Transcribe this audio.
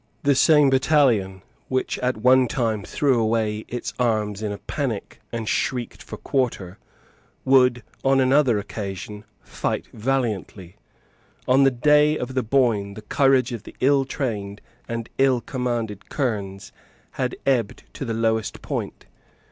The same battalion, which at one time threw away its arms in a panic and shrieked for quarter, would on another occasion fight valiantly. On the day of the Boyne the courage of the ill trained and ill commanded kernes had ebbed to the lowest point.